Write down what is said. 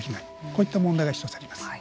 こういった問題が１つあります。